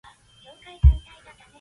There are ten students representatives.